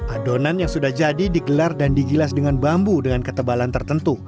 adonan yang sudah jadi digelar dan digilas dengan bambu dengan ketebalan tertentu